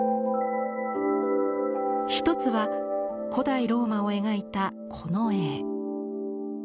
一つは古代ローマを描いたこの絵。